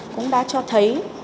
cũng đã cho thấy